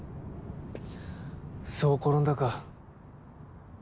そう転んだか。